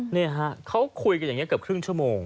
นี่ฮะเขาคุยกันอย่างนี้เกือบครึ่งชั่วโมง